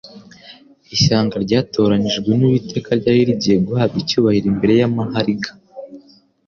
ishyanga ryatoranyijwe n'Uwiteka ryari rigiye guhabwa icyubahiro imbere y'amahariga